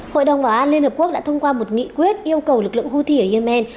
hội đồng bảo an liên hợp quốc đã thông qua một nghị quyết yêu cầu lực lượng houthi ở yemen